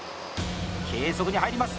計測に入ります。